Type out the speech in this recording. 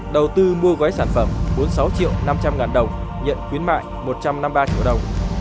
đầu tư mua gói sản phẩm bốn mươi sáu triệu năm trăm linh ngàn đồng nhận khuyến mại một trăm năm mươi ba triệu đồng